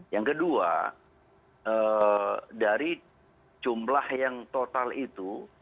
yang kedua dari jumlah yang total itu